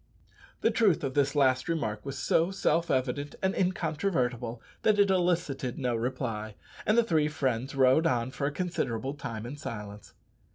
The truth of this last remark was so self evident and incontrovertible that it elicited no reply, and the three friends rode on for a considerable time in silence.